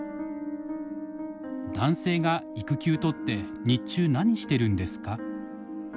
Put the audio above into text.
「男性が育休とって日中何してるんですか？」。